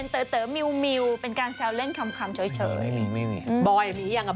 ตอนนี้เรียกว่าเป็นแบบตำแหน่งเจ้าแม่พรีเซนเตอร์กันเลยทีเดียวนะคะ